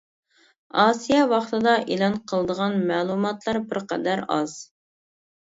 ئاسىيا ۋاقتىدا ئېلان قىلىدىغان مەلۇماتلار بىر قەدەر ئاز.